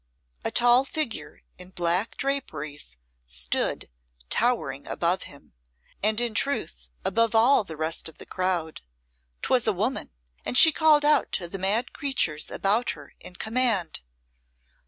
A tall figure in black draperies stood towering above him, and in truth above all the rest of the crowd. 'Twas a woman, and she called out to the mad creatures about her in command.